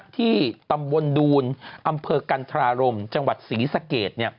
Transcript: ที่ตำบลดูนอำเภอกันทรารมจังหวัดศรีสะเกด